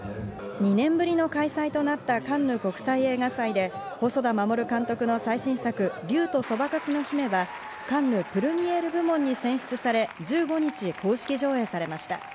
２年ぶりの開催となったカンヌ国際映画祭で細田守監督の最新作『竜とそばかすの姫』はカンヌ・プルミエール部門に選出され１５日、公式上映されました。